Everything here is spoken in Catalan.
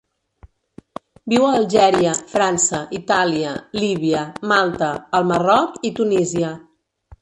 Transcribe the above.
Viu a Algèria, França, Itàlia, Líbia, Malta, el Marroc i Tunísia.